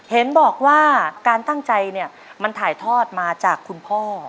เห็นบอกว่าการตั้งใจเนี่ยมันถ่ายทอดมาจากคุณพ่อ